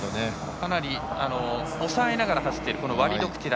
かなり抑えながら走っているワリド・クティラ。